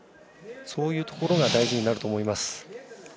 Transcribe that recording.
そういうところが大事になると思います。